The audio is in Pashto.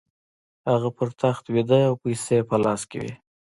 هغه پر تخت ویده او پیسې یې په لاس کې وې